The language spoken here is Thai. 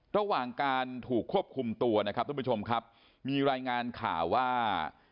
ระหว่างการถูกควบคุมตัวนะครับทุกผู้ชมครับมีรายงานข่าวว่า